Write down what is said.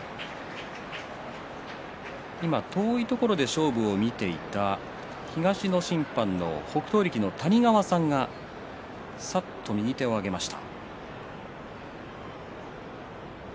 今、遠いところで勝負を見ていた東の審判の北勝力の谷川さんがさっと右手を挙げました。